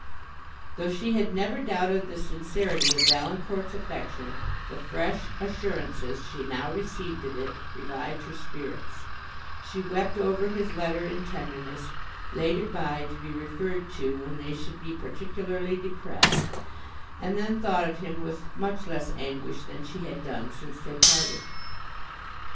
Though she had never doubted the sincerity of Valancourt's affection, the fresh assurances she now received of it revived her spirits; she wept over his letter in tenderness, laid it by to be referred to when they should be particularly depressed, and then thought of him with much less anguish than she had done since they parted.